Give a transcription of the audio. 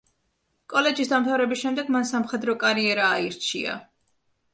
კოლეჯის დამთავრების შემდეგ, მან სამხედრო კარიერა აირჩია.